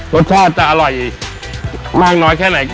รสชาติจะอร่อยมากน้อยแค่ไหน